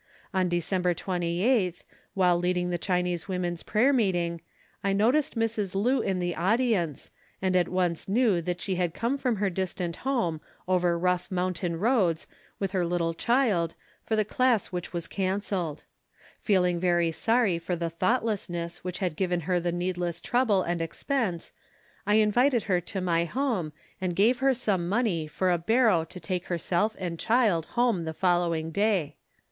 On December 28th, while leading the Chinese Woman's Prayer meeting, I noticed Mrs. Lu in the audience and at once knew she had come from her distant home over rough mountain roads with her little child for the class which was cancelled. Feeling very sorry for the thoughtlessness which had given her the needless trouble and expense I invited her to my home and gave her some money for a barrow to take herself and child home the following day.